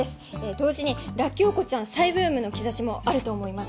同時にらっきょう子ちゃん再ブームの兆しもあると思います。